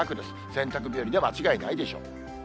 洗濯日和で間違いないでしょう。